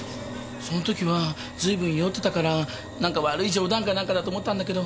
その時は随分酔ってたから何か悪い冗談か何かだと思ったんだけど。